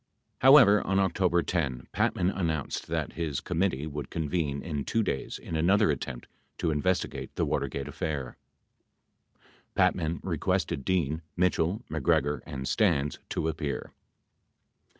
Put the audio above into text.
92 However, on October 10, Patman announced that his committee would convene in 2 days in another attempt to investigate the Water gate affair. Patman requested Dean, Mitchell, MacGregor and Stans to appear.